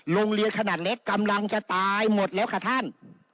โรงเรียนขนาดเล็กกำลังจะตายหมดแล้วค่ะท่าน